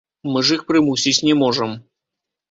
Мы ж іх прымусіць не можам.